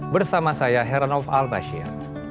bersama saya heranov al bashir